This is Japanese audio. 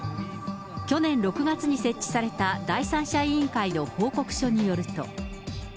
去年６月に設置された第三者委員会の報告書によると。